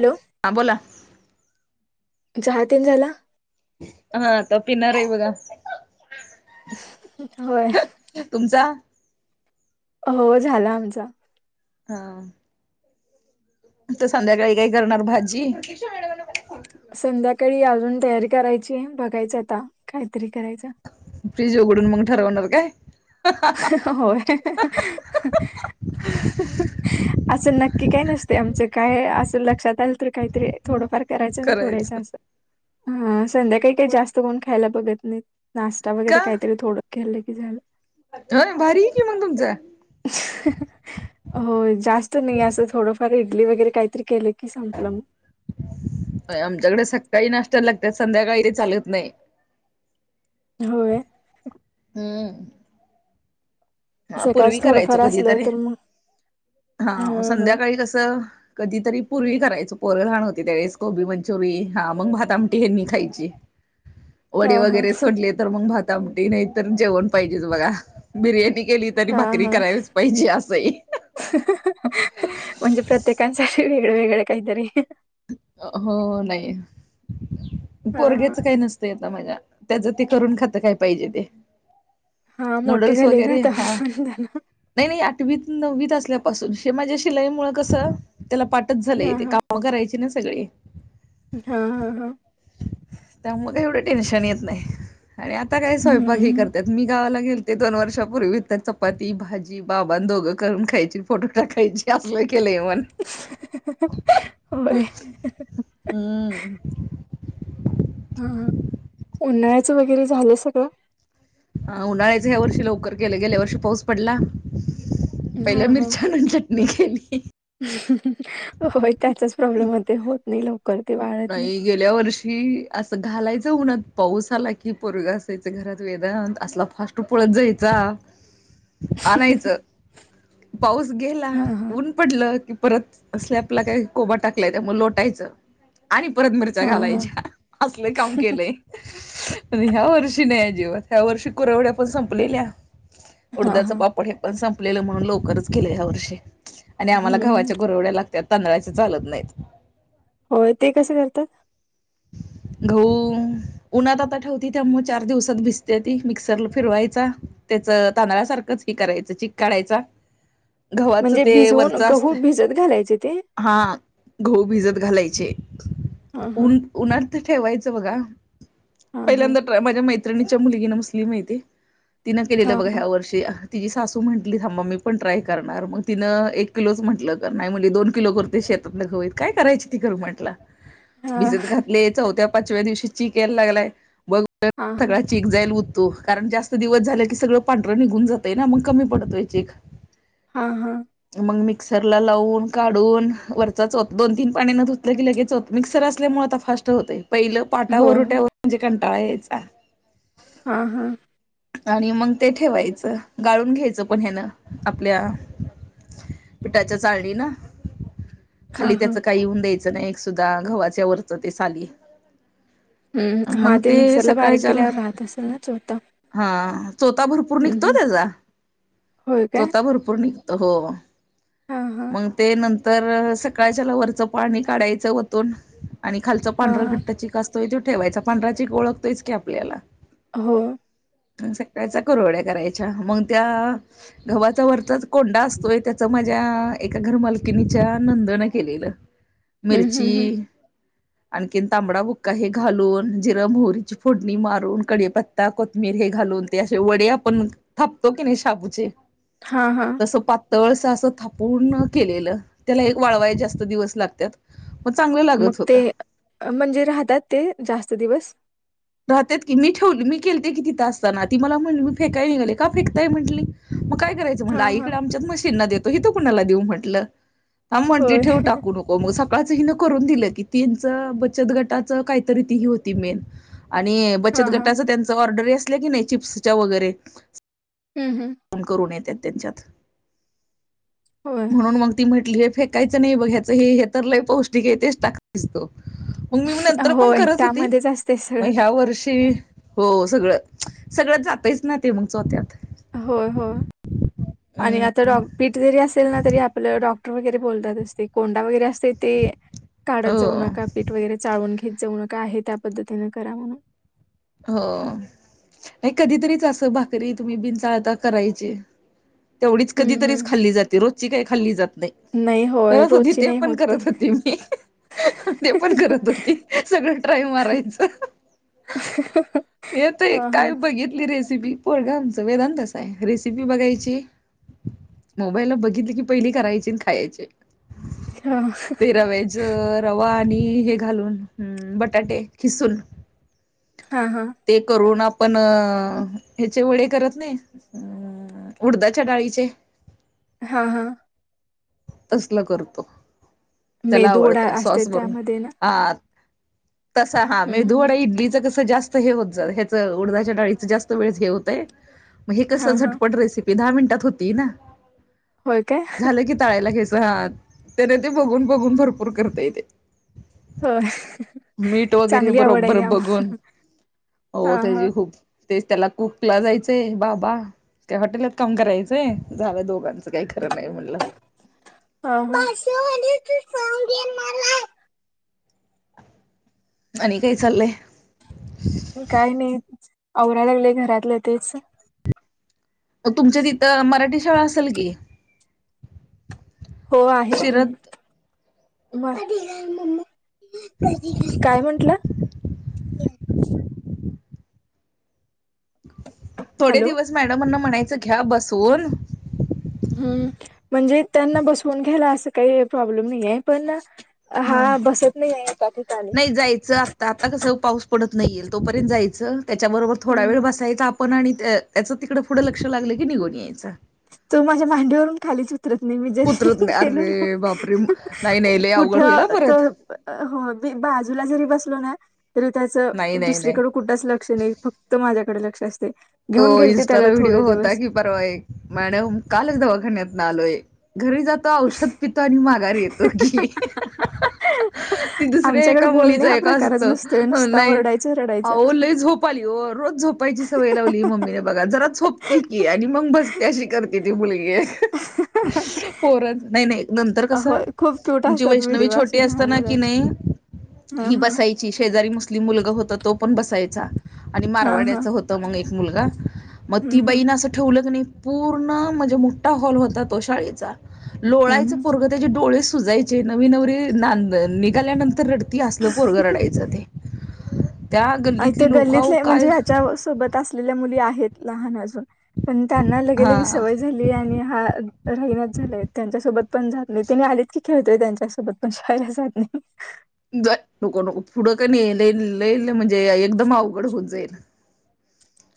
Hello, हा बोला. चहा तेन झाला? हा, आता पिणार ए बगा. होय. तुमचा? हो, झाला आमचा? हा. आता संध्याकाळी काय करणार भाजी संध्याकाळी अजून तयारी करायची बघायच आता काहीतरी करायचं. फ्रीज उघडून मग ठरवणार काय [inaudible] होय [inaudible] [inaudible] असं नक्की काही नसते आमचं काय असं लक्षात आलं तर काहीतरी थोडंफार. करायच अन् सोडायचं करायचं. असं हा संध्याकाळी काय जास्त कोण खायला बघत नाहीत. नाश्ता वगैरे काहीतरी थोडं केलं की झालं अ भारी कि मग तुमचं [inaudible] हो जास्त नाही असं थोडंफार इडली वगैरे काही तरी केलं? की संपलं मग आमच्याकडे सकाळी नाश्ता लागतात संध्याकाळी ते चालत नाही. होय हंम्म हा पूर्वी सकाळच करायचो थोडंफार असलं कधीतरी तर मग हा संध्याकाळी कसं कधीतरी पुरवी करायचो पोरं लहान होती त्यावेळेस कोबी मंचुरी हा मग भात आमटी ह्यांनी खायची. [inaudible] वडी वगैरे सोडली तर मग भात आमटी नाहीतर जेवण पाहिजेच बघा. बिर्याणी केली तरी हा हा भाकरी हा करावीच पाहिजे असं ये. [inaudible] म्हणजे प्रत्येकांच्या घरी वेगळ वेगळें ये काहीतरी. हो नाही हा पोरगीचं हा काही नसंत. [inaudible] माझ्या त्याच ते करून खात काय पाहिजे ते. हा मोठे नूडल्स झाले ना वगैरे आता हा. [inaudible] नाही नाही आठवीत नववीत असल्यापासून हे माझ्या शिलाईमुळे कसं त्याला पाठचं झालंय हा ते हा कापुन मग करायची ना सगळी. हा हा हा त्यामुळे काय एवढं टेन्शन येत नाही आणि आता काय स्वयंपाक हे हम्म करतात मी गावाला गेलो- ते दोन वर्षापूर्वी तर चपाती भाजी बाबा अन् दोघं करून खायची फोटो टाकायची असलं केलं म्हणुन. [inaudible] बाई हंम हा उन्हाळ्याच वगैरे झालय सगळ. ह उन्हाळ्याच ह्या वर्षी लवकर केल गेल्या वर्षी पाऊस पडला पहिला हा हा मिरच्या आणुन ठेव- मी केली. [inaudible] होय त्याचाच प्रॉब्लेम होतो होत नाही लवकर [inaudible] बाई गेल्या वर्षी की असं घालायच ऊनात पाऊस आला की पोरग असायच घरात वेदांत असला फास्ट तो पळत जायचा [inaudible] आनायचं पाऊस गेला हा हा ऊन पडलं की परत स्लॅपला काय कोबा टाकलाय त्यामुळ लोटायचं. आणि परत मिरच्या हा हा घालायच्या असल काम केलंय. पन ह्या वर्षी नाही अजिबात ह्या वर्षी कुरवड्या पण संपलेल्या हा उडदाच हा पापड हे पण संपलेलं म्हणून लवकरच केलं ह्या वर्षी. आणि आम्हाला हम्म गव्हाच्या कुरवड्या लागतात तांदळाच्या चालत नाहीत. होय ते कसं करतात? गहु, उन्हात आता ठेवती त्यामुळ चार दिवसात बिजत्याती मिक्सरला फिरवायचा. त्याचं तांदळा सारखंच की करायचं चिक काढायचा. गव्हाचं म्हणजे ते भिजवून, वरचं गहू असतं भिजत घालायचे ते? गहु भिजत घालायचे. हा हा. ऊन उन्हात ते ठेवायचं बघा, हा हा पहिल्यांदा माझ्या मैत्रिणीच्या मुलगीन मुसलीम आहे ती, तिनं केलेलं हा बघा हा ह्या वर्षी. तिची सासू म्हटली थांबा मी पण ट्राय करणार मग तिनं एक किलोच म्हटलं तर नाही म्हटली दोन किलो करते शेतात. आपल गहु आहेत काय करायच ती कर म्हटलं. हा भिजत घातलय चौथ्या, पाचव्या दिवशी चीक यायला लागलाय बघ हां, हां. सगळा चिक जायला उठतो कारण जास्त दिवस झालं की सगळं पांढर निघून जात आहे ना मग कमी पडतय चिक. [inaudible] हा हा. मग मिक्सरला लावून, काढून वरचा चो दोन, तीन पाणी न धुतलं की लगेचो. मिक्सर असल्यामुळे आता फास्ट होतय पहिलं हो, हो. पाटावररुट्यावर म्हणजे कंटाळा यायचा. हा हा. आणि मग ते ठेवायचं गाळून घ्यायचं पण ह्यानं आपल्या पिठाच्या चाळणीन. खाली हां, हां. त्याचं काही येऊन द्यायचं नाही एक सुद्धा गव्हाच्या वरचं ते साली. हम्, हा मग ते मिक्सरला बारीक सकाळच्याला केल्यावर राहत असेल ना चोता. हा चोता भरपूर निघतो त्याचा, होय चोता भरपूर निघतो हो. हा हा. मग ते नंतर सकाळच्या ल वरचं पाणी काढायचं वतून. आणि खालचं हां, पांढर हां. घट्ट चिक असतोय तो ठेवायचा पांढरा चीक ओळखतोयच की आपल्याला. हो‌. आणि सकाळचा करवड्या करायच्या मग त्या गव्हाचा वरचाच कोंडा असतोय त्याचा माझ्या एका घर मालकिनीच्या नंदनं केलेलं. [inaudible] मिरची, हं. - आणखीन तांबडा बुक्का हे घालून जिर-मोहरीची फोडणी मारून कडीपत्ता को मिर हे घालून ते असे वडे आपण थापतो की नाही शाबूचे. हा हा. तसं पातळसा असं थापूनण केलेलं त्याला एक वाळवाय जास्त दिवस लागतात. मग चांगल लाग मग ते म्हणजे राहतात ते जास्त दिवस? राहत की मी ठेवली मी केलते की तिथं असताना ती मला म्हटली मी फेकाय निघाले का फेकताय म्हटली मग काय करायच म्ह हां, हां. आईकडे आमच्याच मशीन देतो हितो कुणाला देऊ म्हटलं, थांब म्हटली होय. ठेव टाकून मग. हो मग सकाळचं हिन करून दिलं की तीनच बचत गटाच काहीतरी ती ही होती मेन. आणि बचत हां, हां. गटाच त्यांच ऑर्डर असल्या की नाही चिप्सच्या वगैरे. हम् हम्. करून येत त्यांच्यात. होय. [inaudible] म्हणून मग ती म्हटली हे फेक कायचं नाही बघ याचं हे हे तर लय पौष्टिक आहे तेच टाक दिसतो. मग मी नंतर पण होय, करत होती, त्यामध्येच असते मग सगळं. ह्या वर्षी. हो सगळं, सगळंत जातच ना ते मग चौत्यात. होय हो, आणि हम्म, आता पीठ जरी असेल ना तरी आपलं डॉक्टर वगैरे बोलतात असते कोंडा वगैरे असते ते. काढत हो जाऊ नका पीठ वगैरे चाळून घेत जाऊ नका हे त्या पद्धतीनें करा म्हणून. हो नाही कधीतरीच अस भाकरी तुम्ही बिन चाळता करायची. तेवढीच हं, कधी तरीच हं. खाल्ली जाते रोजची काही खाल्ली जात नाही. नाही होय, करत होती रोजची ते नाही पण होत करत होती मी. ते पण करत होती सगळं ट्राय मारायचं. [inaudible] येत हां, काय हां. बघित [unintelligible] ली रेसिपी पोळगा आमचं वेदांतास आहे रेसिपी बघायची. मोबाईलला बघितलं की पहिली करायची अन् खायची. [unintelligible] ते रवेज रवा आणि हे घालून बटाटे ह अ खिसून. हा हा ते करून आपण ह्याचे वडे करत नाही. हम् उडदाच डाळीचे. हा हा तसल करतो त्याला मेदू वडा आवडतय असते सॉस बरोबर. त्यामध्ये ना? हा तसा हा हं, हं, मेदू हं. वडा इडली. जास्त होतय हे होत उडदा ाच्य डाळी जास्त वेळ होतय मग हे कस हां, हां. झटपट रेसपी. [unintelligible] दहा मिनटात होती ना होय काय? झालं की तळायला घ्यायच हा त्याने ते बघून बघून भरपूर करतय तेे होय. मीठ वगैरे चांगली आवड आहे बरोबर की आम्हा बघून. हो हां, हां. त्याची खूप तेच त्याला कुकला जायचंय बाबा. काय हॉटेलात काम करायचंय झालं दोघांचं काही खरं नाही म्हणलं. [unintelligible] [inaudible] आणि काय चाललंय? काय नाही आवराय लागले घरातल तेच. तुमच्या तिथं मराठी शाळा असल की? हो आहे की शिरत [unintelligible] [inaudible] [unintelligible] काय म्हंटला थोडे हॅलो. दिवस मॅडमांना म्हणायचं घ्या बसून. हम्म म्हणजे त्यांना बसवून घ्यायला असं काही प्रॉब्लेम नाही आहे पण अ हा बसत नाही आहे एका ठिकाणी. तर आता कसं पाऊस पडत नाहीयेल तोपर्यंत जायचं त्याच्याबरोबर थोडा हम्म वेळ हम्म. बसायचा आप पण आणि त्याचं तिकडं पुढं लक्ष लागलं की निघून यायच. तो माझ्या मांडीवरून खालीच येत. उतरत नाही मी जरी उतरत नाही गेलो ना अरे बापरे नाही नाही लय अवघड होईल कुठं परत तर [unintelligible] [inaudible] हो मी बाजूला जरी बसलो ना तरी त्याच नाही नाही नाही दुसरीकड कुठंच लक्ष नाही फक्त माझ्याकड लक्ष असतय. हो इन्स्टाला व्हिडिओ होता कि बर आहे मॅडम कालच दवाखाण्यातन आलोय घरी जा. क्त औषध पितो आणि माघारी येतो की. ती दुसऱ्या आमच्याकडे एका मुलीच बोलणे हा एक प्रकारच असत नसतोय नुसता नाही ओरडायचं रडायचं अवो लय झोप. झोप आली ओ रोज झोपायची सवय लावली. ती मम्मीने बघा जरा झोपते की आणि मग बसते अशी करते ती मुलगी. [unintelligible] पोरांन, नाही-नाही नंतर कसं, होय खूप क्यूट आमची असतात वैष्णवी व्हिडिओ असे छोटी लहान असताना कि मुलांचे नयी. हा हा. शेजारी मुस्लिम मुलगा होता तो पण बसायचा, आणि हा हा मारवाड्याच होत मूल एक. मुलगा, मग हम्म ती हम्म बाईन असं ठेवलं की नयी पूर्ण म्हणजे मोठा हॉल होता तो शाळेचा, हम्म लोळायच हम्म पोरग त्याचे डोळे सुजायचे, नवी नवरी नांद निघाल्यानंतर रड ती असलं पोरग रडायचं ते. त्या आय ते गल्लीतली लोक अहो गल्लीतले आहे, म्हणजे काय ह्याच्या सोबत. असलेल्या मुली आहेत, लहान अजून, पण त्यांना लगेलगे हा सवय झाली. आणि हा राहिनाच झालाय, त्यांच्यासोबत पण जात नाही, त्यांनी आलीत की खेळतोय त्यांच्यासोबत. पण शाळेला जात नाही. जा नको-नको पुढं का नई लय-लय म्हणजे एकदम अवघड होत जाईल.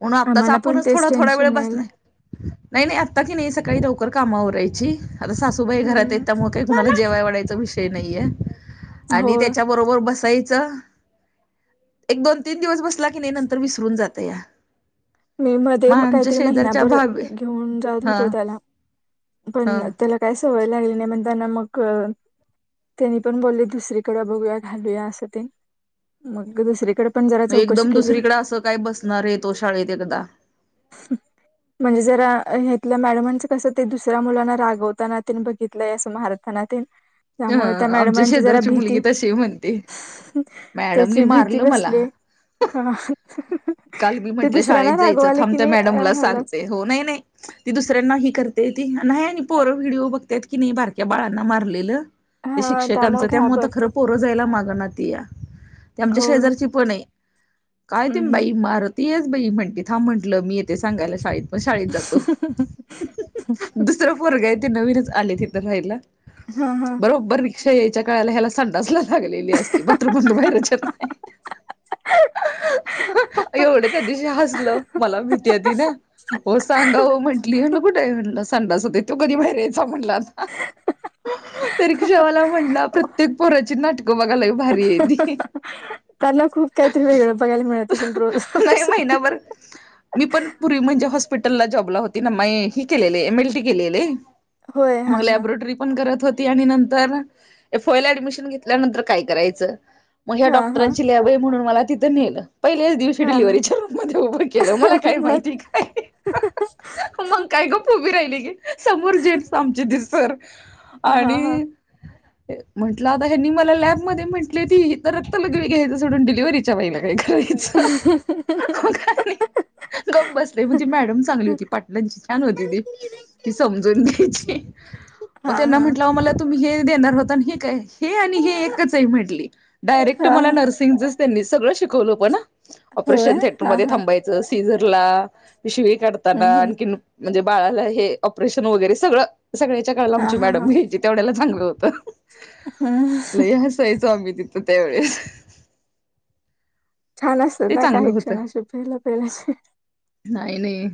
म्हणून आत्ताच आम्हाला पण आपणच तेच थोडा-थोडा वेळ टेन्शन यायला बसलोय आहे. नाही-नाही आत्ता की नाही, सकाळी लवकर काम आवडायची आता सासू सुबाई घरात आहेत, हम्म त्यामुळे काही कुणाला जेवाय वाढायचा विषय नाहीये, हो आणि त्याच्या बरोबर बसायचं, एक दोन-तीन दिवस बसला की नाही नंतर विसरून जातया. मी मध्ये काहीतरी शेजारच्या महिनाभर भाभी घेऊन जात हा होतो त्याला. हा पण त्याला काय सवय लागली नाही, म्हणताना मग अ. त्यांनी पण बोललीत, दुसरीकड बघूया-घालूया असं तेन मग दुसरीकडे पण जरा मग चौकशी एकदम केली दुसरीकडे असं काय बसणार आहे तो शाळेत एकदा. [unintelligible] म्हणजे जरा हीथल्या मॅडमांचं कसं, ते दुसऱ्या मुलांना रागवताना त्याने बघितलंय असं मारत त्यांना ते. ह त्यामुळे त्या आमच्या मॅडमांची जरा शेजारची भीती, मुलगी तशी म्हणते मॅडमनी त्याची भीती मारलं बसली. मला हा. काल मी ते म्हटले, शाळेत दुसऱ्यांना जायचं रागवाले थांब की त्या नाही मॅडमला ह्यालाच सांगते. हो नाही-नाही ती दुसऱ्यांना ही करते, ती नाही आणि पोर व्हिडिओ बघ त्यात कणी बारक्या मुलांना मारलेल, ते हा शिक्षकांचं त्यामुळे ते घाबरतात खरं पोर जायला मागना तेया, ते आमच्या हो शेजारची पण आहे. काय ते हम्म बाई मारतीयाच बाई म्हणते, थांब म्हटलं मी येते सांगायला शाळेत. म शाळेत जातो दुसर पोरग आहे, ते नवीनच आले तीथ राहिला, हा हा बरोबर रिक्षा यायच्या काळाला ह्याला संडाच लाग लांगलेली असती, बाथरूम मधून बाहेरच येत नाही. एवढं त्या दिवशी हसलं, मला भीती आहे ती ना. ओ सांगा हो म्हंटली, म्हणलं कुठे आहे, म्हणलं सांडसात तो कधी बाहेर यायचा म्हणला. हाहा.... रिक्षावाला म्हटला प्रत्येक पोराची नाटकं बघा लई भारी आहे ती. त्यांना खूप काय तर ते वेगळं बघायला मिळत असेल रोज-रोज. नवरर [unintelligible] मी पण पूर्वी म्हणजे हॉस्पिटलला जॉबला होती, ना मी ह केलेले एम. एल. टी. केलेले. होय हा हा लॅबोरेटरी. करत होती, आणि नंतर ए फयला ऍडमिशन घेतल्यानंतर काय करायचं. मग ह्या हा हा डॉक्टरांची लॅब आहे म्हणून मला तिथं नेलं पहिल्याच दिवशी हा हा डिलिव्हीच्या रूम मध्ये उभं केलं, मला काय मग माहिती काय. मग काय ग उभी राहिली की समोर जें्न्स आमची दिसर आणि ह [unintelligible] म्हटलं आता हे नी मला लॅबमध्ये म्हटली ती तर रक्त लगवी घ्यायच सडून डिलिव्हीच्या वईला काय करायचं हाह कप बसले म्हणजे मॅडम चांगली होती पाटलाची छान होती ती ती समजून घ्यायची हा मग हा त्यांना म्हटलं मला तुम्ही हे देणार होता हे काय हे आणि हे एकच आहे म्हटली डायरेक्ट हा माला हा नर्स त्यांचं त्यांनी सगळ शिकवलं पण होय ऑपरेशन थटर हा मध्ये हा थांबा सीझरला शिळी काढताना हम्म हम्म. आणखीन म्हणजे बाळाला हे ऑपरेशन वगैरे सगळं, सगळ्याच्या काळाला हा आमची मॅडम घ्यायची, तेवढ्याला चांगलं होतं, हम् सच आम्ही तथो त्यावेळेस छान असतं ते ना चांगलं काही, होतं. क्षणाशी पेलं पेल्याचे नाही, नाही,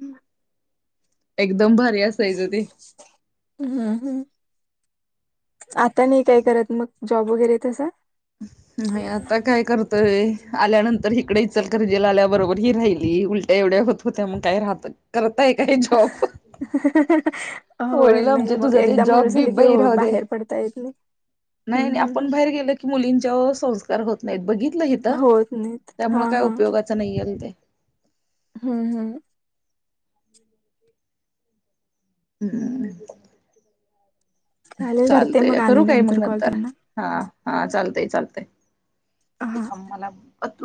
हम् [unintelligible] एकदम भारी असायचं ते हम्म हम् आता नाही काय करत मग, जॉब वगैरे तसा नाही आता काय करतय आल्यानंतर इकडे इचलकरंजी आल्याबरोबर ही राहिली उल एवढ्या होत होते मग काय राहत करताय काही जॉब होय वडील नाही आमचे मग तुझा ते एकदा मुलं जॉब बी झाली की बाई हो राहू दे बाहेर पडता येत नाही, नाही नाही हम्म हम्म आपण बाहेर गेल की मुलींच्यावर संस्कार होत नाहीत बघितलं इथ हम्म होत नाहीत हा त्यामुळे काय हा उपयोगाच नाहील ते हम् हम् हा [unintelligible] हम्म चालेल करते मग चालतय आणि करू काय मग कॉल नंतर तुम्हाला हा -हा- चालतय, हा चालतय मलात